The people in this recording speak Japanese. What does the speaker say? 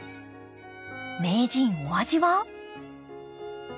名人お味は？